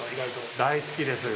大好きですよ。